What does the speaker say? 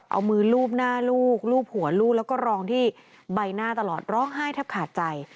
เอามือลูบหน้าลูกลูบหัวลูกแล้วก็รองที่ใบหน้าตลอดร้องไห้แทบขาดใจ